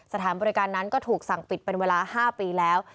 สถานบริการนั้นก็ถูกสั่งปิดเป็นเวลา๕ปีแล้ว